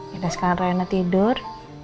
yaudah sekarang riana tidur